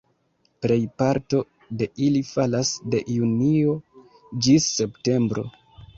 Plejparto de ili falas de junio ĝis septembro.